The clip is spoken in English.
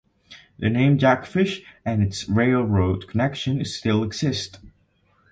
The name Jackfish and its railroad connection still exist.